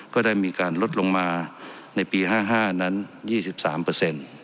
ก็ได้มีการลดลงมาในปี๕๕นั้น๒๓เปอร์เซ็นต์